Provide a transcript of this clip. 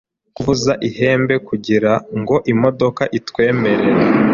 Kuvuza ihembe kugirango imodoka itwemerera.